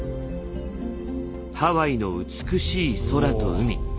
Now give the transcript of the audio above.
ハワイの美しい空と海。